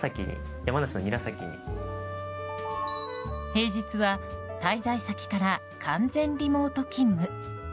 平日は滞在先から完全リモート勤務。